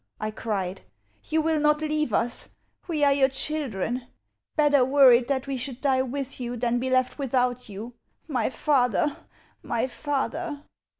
I cried. 'You will not leave us! We are your children! Better were it that we should die with you than be left without you. My father! my father!'